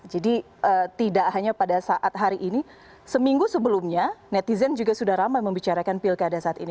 jadi tidak hanya pada saat hari ini seminggu sebelumnya netizen juga sudah ramai membicarakan pilkada saat ini